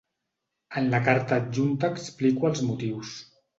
En la carta adjunta explico els motius.